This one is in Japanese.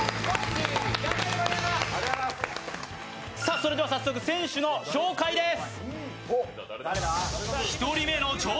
それでは早速選手の紹介です。